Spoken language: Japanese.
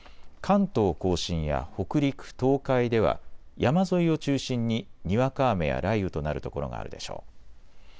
関東甲信や北陸、東海では山沿いを中心ににわか雨や雷雨となる所があるでしょう。